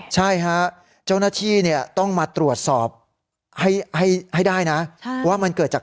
ใช่ฮะเจ้าหน้าที่เนี้ยต้องมาตรวจสอบให้ให้ให้ได้นะใช่ว่ามันเกิดจาก